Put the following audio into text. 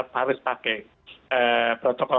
harus pakai protokol